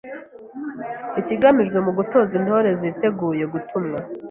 Ikigamijwe mu gutoza Intore zitegura gutumwa,